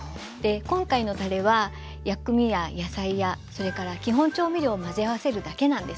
今回のたれは薬味や野菜やそれから基本調味料を混ぜ合わせるだけなんですね。